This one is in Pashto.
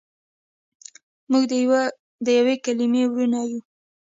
موږ دیوې کلیمې وړونه یو.